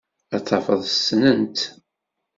Ad tafeḍ ssnent-tt.